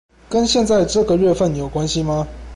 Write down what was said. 跟現在這個月份有關係嗎